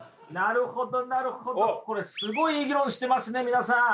これすごいいい議論してますね皆さん。